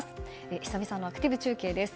久々のアクティブ中継です。